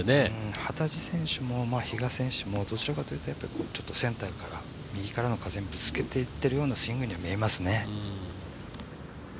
幡地選手も比嘉選手もどちらかというとセンターから右からの風にぶつけていっているようなスイングには見えますね。